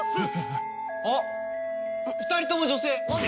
あっ２人とも女性！